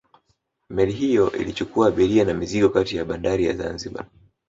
Meli hiyo ilichukua abiria na mizigo kati ya bandari ya Zanzibar